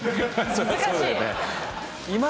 そりゃそうだよね。